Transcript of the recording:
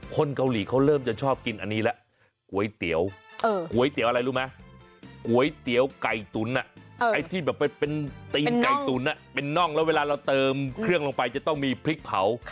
คนเกาหลีเขาเริ่มจะชอบกินอันนี้แหละ